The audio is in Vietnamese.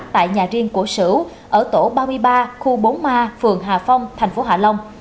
tại nhà riêng của sửu ở tổ ba mươi ba khu bốn ma phường hà phong thành phố hạ long